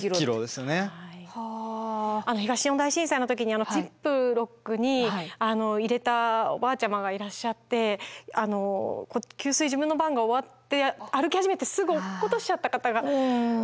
で東日本大震災の時にジップロックに入れたおばあちゃまがいらっしゃって給水自分の番が終わって歩き始めてすぐ落っことしちゃった方がいらっしゃって。